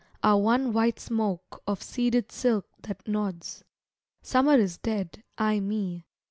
Are one white smoke of seeded silk that nods. Summer is dead, ay me!